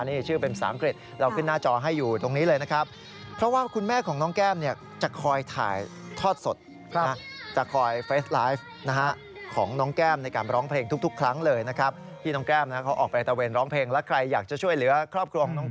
นี่ชื่อเป็นสามกฤษเราขึ้นหน้าจอให้อยู่ตรงนี้เลยนะครับ